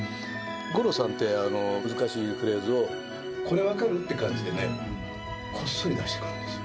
五郎さんって難しいフレーズを、これ分かる？って感じでね、こっそり出してくるんですよ。